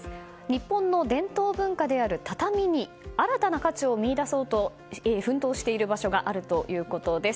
日本の伝統文化である畳に新たな価値を見出そうと奮闘している場所があるということです。